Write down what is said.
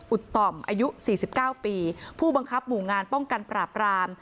ต่อมอายุ๔๙ปีผู้บังคับหมู่งานป้องกันปราบราม